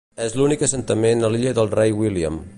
És l'únic assentament a l'Illa del Rei William.